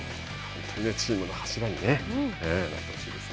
チームの柱になってほしいですね。